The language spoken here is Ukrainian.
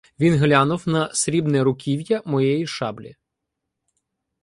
Він глянув на срібне руків'я моєї шаблі.